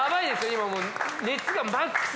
今もう。